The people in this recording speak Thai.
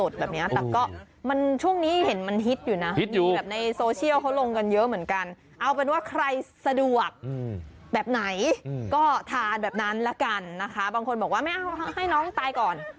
ส่วนหัวหมึกไปเล็กน้อย